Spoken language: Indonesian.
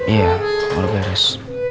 iya udah beres